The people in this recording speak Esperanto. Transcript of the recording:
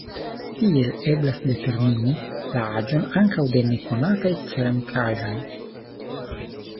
Tiel eblas determini la aĝon ankaŭ de nekonataj ceramikaĵoj.